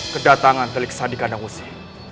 kedatangan telik sandi karaden